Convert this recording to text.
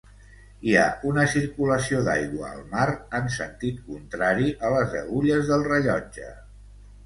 Hi ha una circulació d'aigua al mar en sentit contrari a les agulles del rellotge.